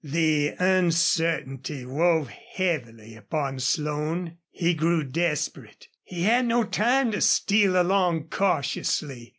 The uncertainty wore heavily upon Slone. He grew desperate. He had no time to steal along cautiously.